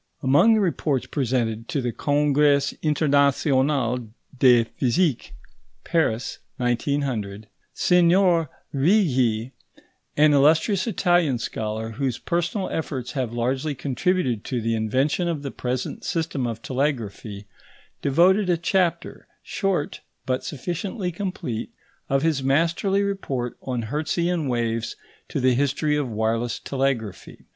Among the reports presented to the Congrès international de physique (Paris, 1900), Signor Righi, an illustrious Italian scholar, whose personal efforts have largely contributed to the invention of the present system of telegraphy, devoted a chapter, short, but sufficiently complete, of his masterly report on Hertzian waves, to the history of wireless telegraphy.